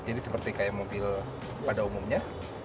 jadi seperti mobil pada umumnya